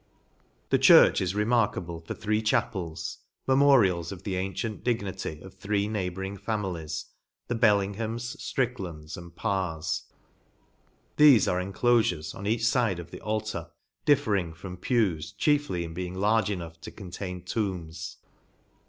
The church is remarkable for three chapels, memorials of the antient dignity of three neighbouring families, the Belling, hams, Stricklands and Parrs. Thefe are en clofures, on each fide of the altar, differing from pews chiefly in being large enough to contain tombs.